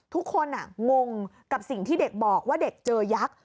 งงกับสิ่งที่เด็กบอกว่าเด็กเจอยักษ์